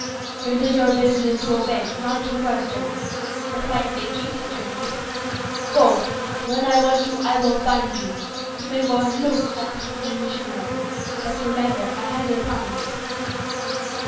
"It is your business to obey, not to question," replied Big Chief, sternly. "Go when I want you I will find you. You may go and look at the Cookee missionary, but, remember, I have your promise."